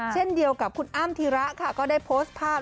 เช่นเดียวกับคุณอ้ำธีระค่ะก็ได้โพสต์ภาพ